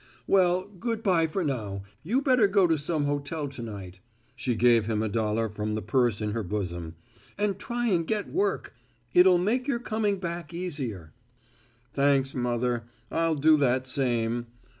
"Well, good bye for now you better go to some hotel to night," she gave him a dollar from the purse in her bosom, "and try and get work. It'll make your coming back easier." "Thanks, mother, I'll do that same.